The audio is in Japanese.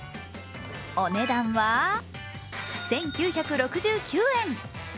お値段は、１９６０円。